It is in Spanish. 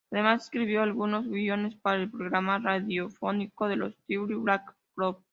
Además escribió algunos guiones para el programa radiofónico de los Two Black Crows.